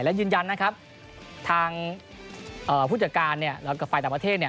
และยืนยันนะครับทางผู้จัดการแล้วก็ฝ่ายต่างประเทศ